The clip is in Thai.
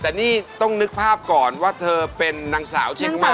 แต่นี่ต้องนึกภาพก่อนว่าเธอเป็นนางสาวเชียงใหม่